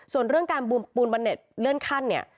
ส่วนเรื่องการปูนบันเน็ตเลื่อนขั้นเนี่ย